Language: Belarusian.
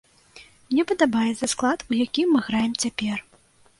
Мне падабаецца склад, у якім мы граем цяпер.